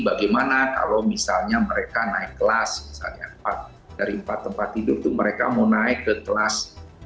bagaimana kalau misalnya mereka naik kelas misalnya empat dari empat tempat tidur itu mereka mau naik ke kelas